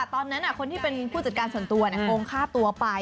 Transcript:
ตอนนั้นคนที่เป็นผู้จัดการส่วนตัวโกงฆ่าตัวไป